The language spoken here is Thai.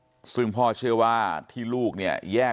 ตรของหอพักที่อยู่ในเหตุการณ์เมื่อวานนี้ตอนค่ำบอกให้ช่วยเรียกตำรวจให้หน่อย